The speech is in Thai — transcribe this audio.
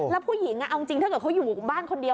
แล้วผู้หญิงเอาจริงถ้าเกิดเขาอยู่บ้านคนเดียว